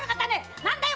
何だよ